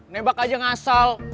nebak aja ngasal